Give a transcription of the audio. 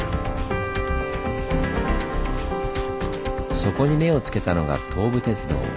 そこに目を付けたのが東武鉄道。